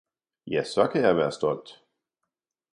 Ja, så kan jeg være stolt!